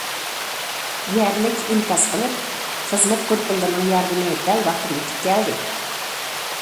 يەرلىك ئىنكاس قىلىپ: خىزمەت گۇرۇپپىلىرىنىڭ ياردىمى دەل ۋاقتىدا يېتىپ كەلدى.